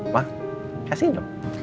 mah kasih dong